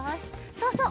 そうそう！